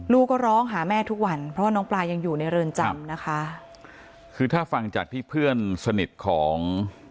ก็ร้องหาแม่ทุกวันเพราะว่าน้องปลายังอยู่ในเรือนจำนะคะคือถ้าฟังจากที่เพื่อนสนิทของ